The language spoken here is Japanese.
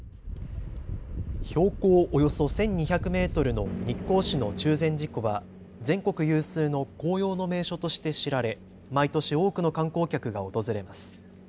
標高およそ１２００メートルの日光市の中禅寺湖は、全国有数の紅葉の名所として知られ毎年多くの観光客が訪れます。